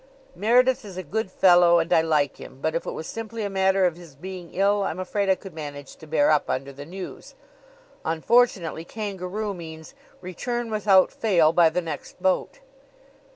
"Meredith is a good fellow and I like him; but if it was simply a matter of his being ill I'm afraid I could manage to bear up under the news. Unfortunately 'kangaroo' means 'Return, without fail, by the next boat.'"